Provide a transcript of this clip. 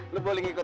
lo boleh ngikut ya